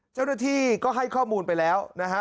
เจ้าหน้าที่ก็ให้ข้อมูลไปแล้วนะฮะ